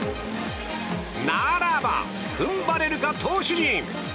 ならば踏ん張れるか、投手陣。